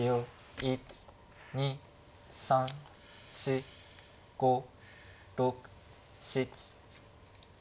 １２３４５６７。